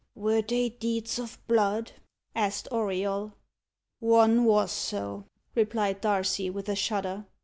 "Were they deeds of blood?" asked Auriol. "One was so," replied Darcy, with a shudder.